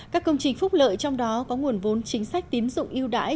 các công trình phúc lợi trong đó có nguồn vốn chính sách tín dụng yêu đãi